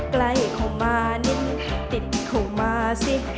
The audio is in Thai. ใกล้เข้ามานิดติดเข้ามาสิ